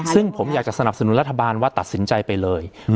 ซึ่งผมอยากจะสนับสนุนรัฐบาลว่าตัดสินใจไปเลย